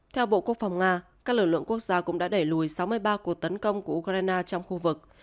theo bộ quốc phòng nga các lực lượng quốc gia cũng đã đẩy lùi sáu mươi ba cuộc tấn công của ukraine trong khu vực